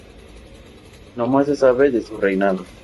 Nada más se sabe de su reinado.